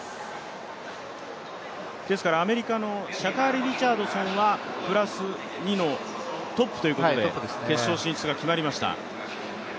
ですからアメリカのシャカリ・リチャードソンはプラス２のトップということで決勝進出が決まりました。